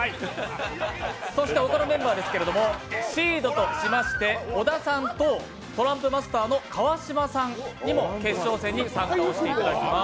ほかのメンバーですけども、シードとしまして、小田さんとトランプマスターの川島さんにも決勝戦に参加をしていきます。